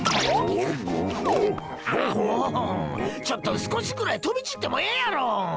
ちょっと少しぐらい飛び散ってもええやろ！